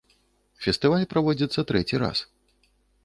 Фестываль праводзіцца трэці раз.